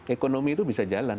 ekonomi itu bisa jalan